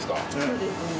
そうですね。